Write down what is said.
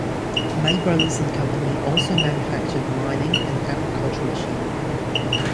May Brothers and Company also manufactured mining and agricultural machinery.